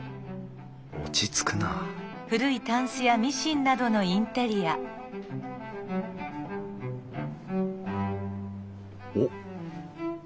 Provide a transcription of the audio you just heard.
落ち着くなあおっ。